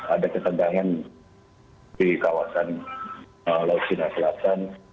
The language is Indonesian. ada ketandangan di kawasan laosina selatan